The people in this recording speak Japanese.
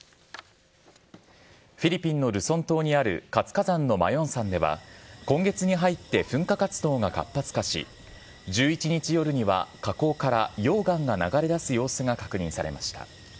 フィリピンのルソン島にある活火山のマヨン山では、今月に入って噴火活動が活発化し、１１日夜には火口から溶岩が流れ出す様子が確認されました。